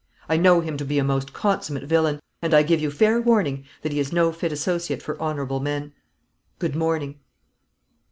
I know him to be a most consummate villain; and I give you fair warning that he is no fit associate for honourable men. Good morning."